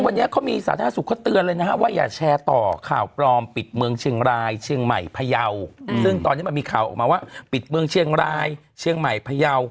ล็อกดาวน์๓จังหวัดขอให้ประชาชนเนี่ยอย่าตื่นตระหนก